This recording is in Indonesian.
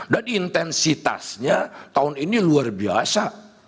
intensitasnya tahun ini luar biasa